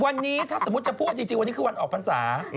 วันนี้ถ้าสมมุติจะพูดจริงวันนี้คือวันออกพรรษา